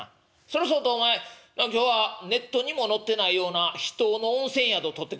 そらそうとお前今日はネットにも載ってないような秘湯の温泉宿取ってくれたんやってな」。